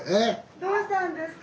どうしたんですか？